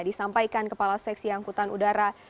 disampaikan kepala seksi angkutan udara